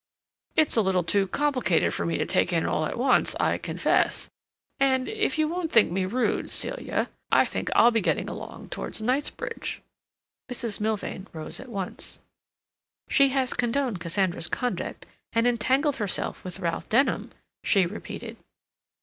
"It's a little too complicated for me to take in all at once, I confess—and, if you won't think me rude, Celia, I think I'll be getting along towards Knightsbridge." Mrs. Milvain rose at once. "She has condoned Cassandra's conduct and entangled herself with Ralph Denham," she repeated.